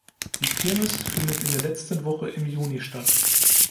Die Kirmes findet in der letzten Woche im Juni statt.